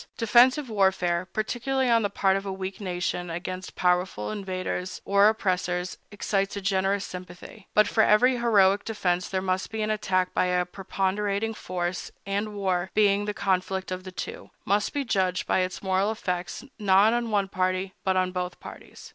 Defensive warfare, particularly on the part of a weak nation against powerful invaders or oppressors, excites a generous sympathy; but for every heroic defense there must be an attack by a preponderating force, and war, being the conflict of the two, must be judged by its moral effects not on one party, but on both parties.